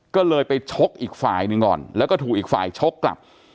ก็เลยไปชกอีกฝ่ายหนึ่งก่อนแล้วก็ถูกอีกฝ่ายชกกลับ